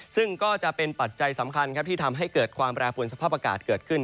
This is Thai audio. ซึ่งก็จะเป็นปัจจัยสำคัญที่ทำให้เกิดความแปรปวนสภาพอากาศเกิดขึ้น